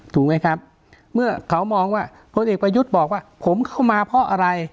ถูกไหมครับเมื่อเขามองว่าพลเอกประยุทธ์บอกว่าผมเข้ามาเพราะอะไร